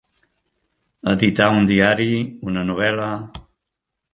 Editar un diari, una novel·la.